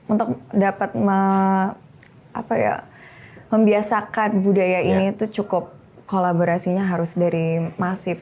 untuk dapat membiasakan budaya ini itu cukup kolaborasinya harus dari masif